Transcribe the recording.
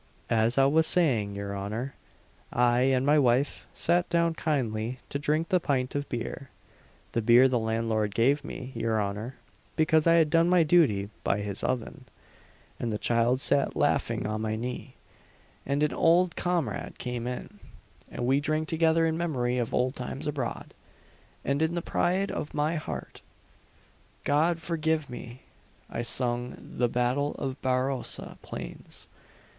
"As I was saying, your honour, I and my wife sat down kindly to drink the pint of beer the beer the landlord gave me, your honour, because I had done my duty by his oven; and the child sat laughing on my knee, and an old comrade came in, and we drank together in memory of old times abroad, and in the pride of my heart God forgive me! I sung the 'Battle of Barossa Plains.'